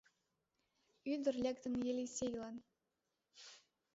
Ӱдыр лектын Елисейлан!